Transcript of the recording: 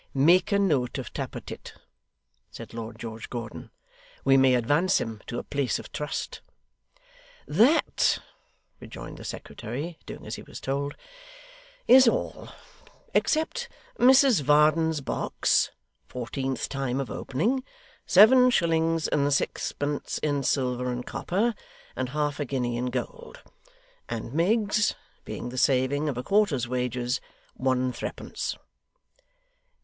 'Make a note of Tappertit,' said Lord George Gordon. 'We may advance him to a place of trust.' 'That,' rejoined the secretary, doing as he was told, 'is all except Mrs Varden's box (fourteenth time of opening), seven shillings and sixpence in silver and copper, and half a guinea in gold; and Miggs (being the saving of a quarter's wages), one and threepence.